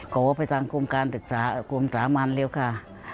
เขาก็ไปทางคุมการศึกษามันแล้วค่ะ